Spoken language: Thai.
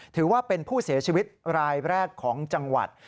ถือว่าเป็นผู้เสียชีวิตรายแรกของจังหวัด